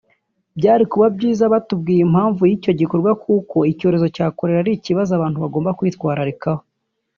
Byari kuba byiza batubwiye impamvu y’icyo gikorwa kuko icyorezo cya kolera ari ikibazo abantu baba bagomba kwitwararikaho